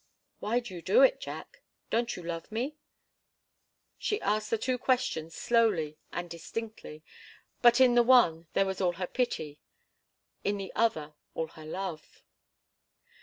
"Why do you do it, Jack? Don't you love me?" She asked the two questions slowly and distinctly, but in the one there was all her pity in the other all her love.